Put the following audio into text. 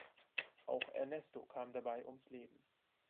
Auch Ernesto kam dabei ums Leben.